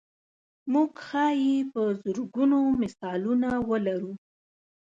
موږ ښایي په زرګونو مثالونه ولرو.